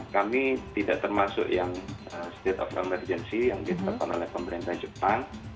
kami tidak termasuk yang state of emergency yang ditetapkan oleh pemerintah jepang